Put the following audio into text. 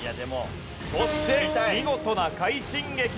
そして見事な快進撃！